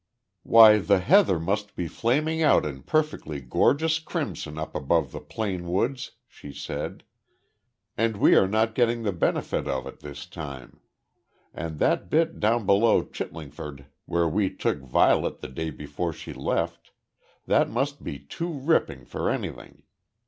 "Why, the heather must be flaming out in perfectly gorgeous crimson up above the Plane woods," she said, "and we are not getting the benefit of it this time. And that bit, down below Chiltingford, where we took Violet the day before she left that must be too ripping for anything.